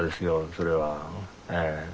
それはええ。